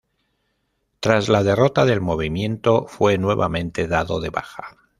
Tras la derrota del movimiento, fue nuevamente dado de baja.